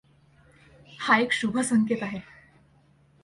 हा एक शुभ संकेत आहे.